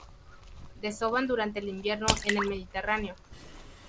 Desovan durante el invierno en el Mediterráneo.